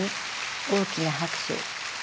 大きな拍手。